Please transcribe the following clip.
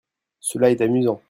Cela est amusant.